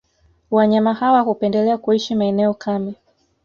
Wanyama hawa hupendelea kuishi maeneo kame